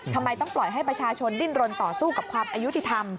ทำไมต้องปล่อยให้ประชาชนดิ้นรนต่อสู้กับความอายุติธรรม